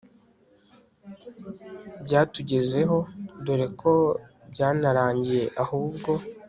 byatugezaho dore ko byanarangiye ahubwo